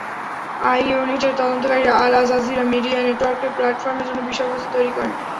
আই-ইউনিটের তদন্তকারীরা Al Jazeera media network প্ল্যাটফর্মের জন্য বিষয়বস্তু তৈরি করেন।